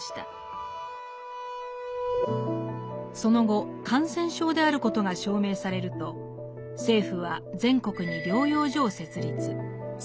その後感染症であることが証明されると政府は全国に療養所を設立。